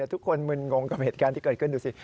ทุกคนมึนงงกับเหตุการณ์ที่เกิดขึ้นดูสิ